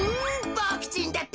ボクちんだって！